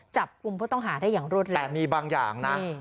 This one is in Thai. จับกลุ่มผู้ต้องหาได้อย่างรวดเร็วแต่มีบางอย่างนะ